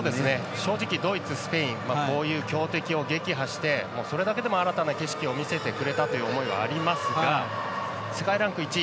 正直、ドイツ、スペインこういう強敵を撃破して、それだけでも新たな景色を見せてくれたという思いはありますが世界ランク１位